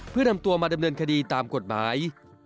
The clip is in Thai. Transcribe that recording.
เพื่อนำตัวมาดำเนินคดีตามกฎหมาย